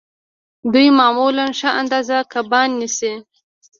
دوی معمولاً ښه اندازه کبان نیسي